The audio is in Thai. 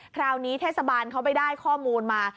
คราวนี้เทศบาลเขาไปได้ข้อมูลมา